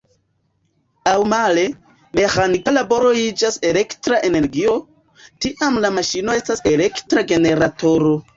Aŭ male, meĥanika laboro iĝas elektra energio, tiam la maŝino estas elektra generatoro.